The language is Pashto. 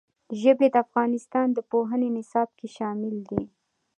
ژبې د افغانستان د پوهنې نصاب کې شامل دي.